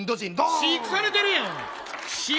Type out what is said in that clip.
飼育されてるやん。